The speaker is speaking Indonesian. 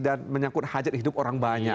dan menyangkut hajat hidup orang banyak